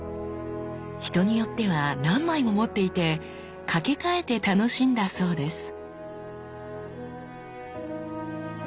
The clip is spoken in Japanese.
人によっては何枚も持っていて掛け替えて楽しんだそうです。